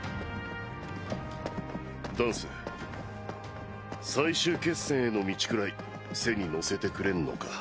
ダンス最終決戦への道くらい背に乗せてくれんのか？